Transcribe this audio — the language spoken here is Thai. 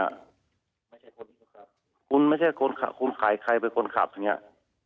คุณไม่ใช่คนขับคุณขายใครเป็นคนขับเนี่ย